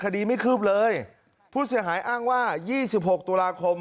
คดีไม่คืบเลยผู้เสียหายอ้างว่ายี่สิบหกตุลาคม